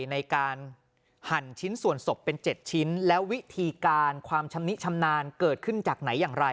ในการหั่นชิ้นส่วนศพเป็น๗ชิ้นแล้ววิธีการความชำนิชำนาญเกิดขึ้นจากไหนอย่างไร